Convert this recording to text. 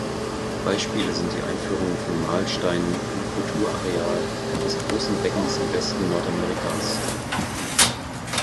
Beispiele sind die Einführung von Mahlsteinen im Kulturareal des Großen Beckens im Westen Nordamerikas.